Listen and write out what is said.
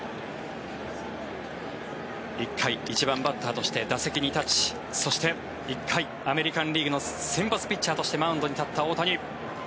１回、１番バッターとして打席に立ちそして、１回アメリカン・リーグの先発ピッチャーとしてマウンドに立った大谷。